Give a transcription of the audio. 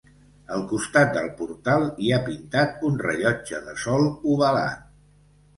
Al costat del portal hi ha pintat un rellotge de sol ovalat.